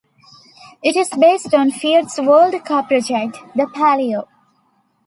It is based on Fiat's world car project, the Palio.